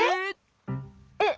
えっ？